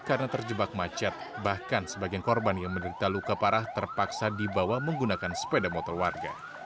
karena terjebak macet bahkan sebagian korban yang menderita luka parah terpaksa dibawa menggunakan sepeda motor warga